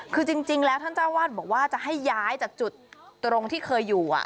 คือจริงแล้วท่านเจ้าวาดบอกว่าจะให้ย้ายจากจุดตรงที่เคยอยู่